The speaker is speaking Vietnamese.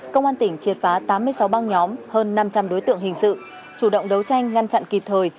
công an tỉnh triệt phá tám mươi sáu băng nhóm hơn năm trăm linh đối tượng hình sự chủ động đấu tranh ngăn chặn kịp thời